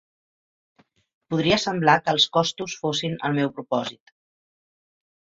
Podria semblar que els costos fossin el meu propòsit.